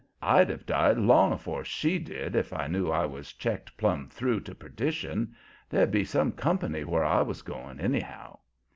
I'd have died 'long afore she did if I knew I was checked plumb through to perdition. There'd be some company where I was going, anyhow.